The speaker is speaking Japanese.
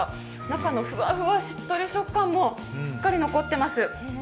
中のふわふわしっとり食感もしっかり残ってます。